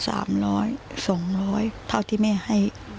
ไปลารจรดาวันละ๓๐๐๒๐๐เท่าที่แม่ให้